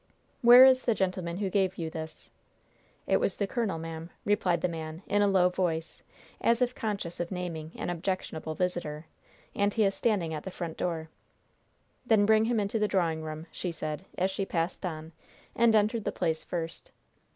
"Where is the gentleman who gave you this?" "It was the colonel, ma'am," replied the man, in a low voice, as if conscious of naming an objectionable visitor; "and he is standing at the front door." "Then bring him into the drawing room," she said, as she passed on and entered the place first.